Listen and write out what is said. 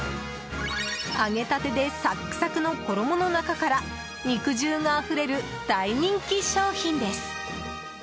揚げたてでサックサクの衣の中から肉汁があふれる大人気商品です。